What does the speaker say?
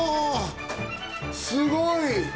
すごい。